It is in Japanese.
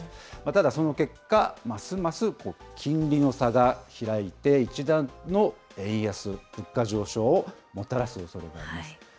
ただその結果、ますます金利の差が開いて、一段の円安、物価上昇をもたらすおそれがあります。